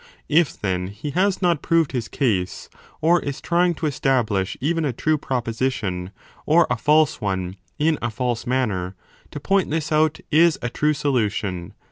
If then he has not proved his case, or is trying to establish even a true proposition, or a false 25 one, in a false manner, 4 to point this out is a true solution.